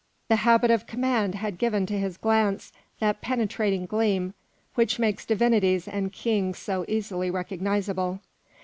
The habit of command had given to his glance that penetrating gleam which makes divinities and kings so easily recognisable.